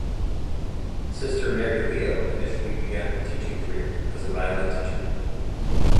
Sister Mary Leo initially began her teaching career as a violin teacher.